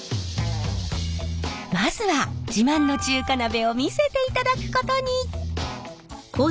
まずは自慢の中華鍋を見せていただくことに。